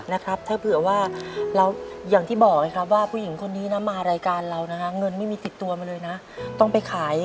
นะครับถ้าเผื่อว่าเราอย่างที่บอกไงครับว่าผู้หญิงคนนี้นะมารายการเรานะฮะเงินไม่มีติดตัวมาเลยนะต้องไปขาย